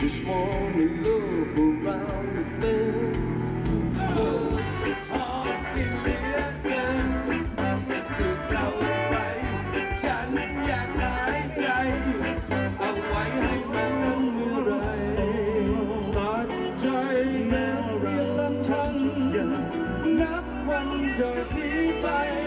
สวัสดีค่ะ